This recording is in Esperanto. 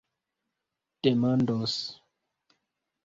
demandos